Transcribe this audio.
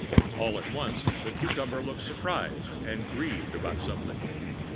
All at once the cucumber looks surprised and grieved about something.